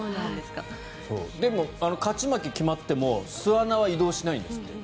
でも勝ち負け決まっても巣穴は移動しないんですって。